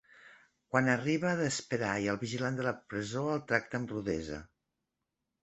Quan arriba, ha d'esperar i el vigilant de la presó el tracta amb rudesa.